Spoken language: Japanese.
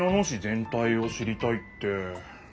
ぜん体を知りたいって。